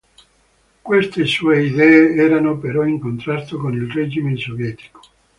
Queste sue idee erano però in contrasto con il regime sovietico.